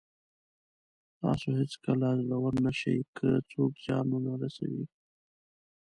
تاسو هېڅکله زړور نه شئ که څوک زیان ونه رسوي.